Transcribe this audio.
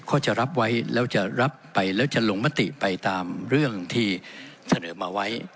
ก็จะรับไว้แล้วจะรับไปแล้วจะลงมติไปตามเรื่องที่เสนอมาไว้